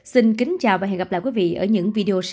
xin kính chào và hẹn gặp lại quý vị ở những video sau